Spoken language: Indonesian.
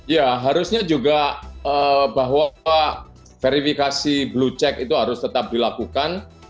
ya harusnya juga bahwa verifikasi blue check itu harus tetap dilakukan